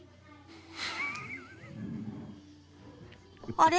あれ？